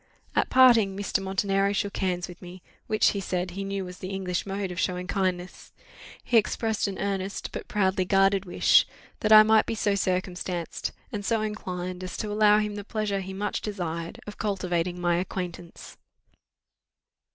At parting, Mr. Montenero shook hands with me, which, he said, he knew was the English mode of showing kindness: he expressed an earnest, but proudly guarded wish, that I might be so circumstanced, and so inclined, as to allow him the pleasure he much desired, of cultivating my acquaintance.